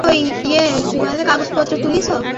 তাকে তোমাদের থেকে নিয়ে নিবো।